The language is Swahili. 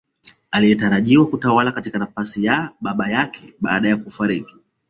Aliyetarajiwa kutawala katika nafasi ya baba yake baada ya kufariki